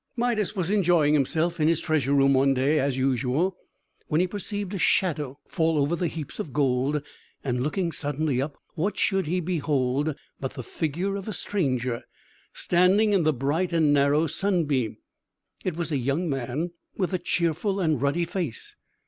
Midas was enjoying himself in his treasure room, one day, as usual, when he perceived a shadow fall over the heaps of gold; and, looking suddenly up, what should he behold but the figure of a stranger, standing in the bright and narrow sunbeam! It was a young man, with a cheerful and ruddy face.